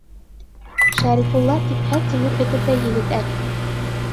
Шәрифулла типһә тимер өҙөрҙәй егет әле!